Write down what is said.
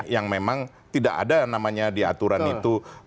yang memang tidak ada namanya di aturan itu